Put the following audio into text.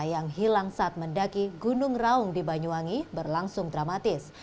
yang hilang saat mendaki gunung raung di banyuwangi berlangsung dramatis